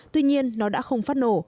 tuy nhiên nó đã không phát nổ